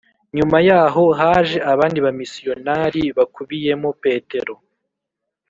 Nyuma yaho haje abandi bamisiyonari hakubiyemo Petero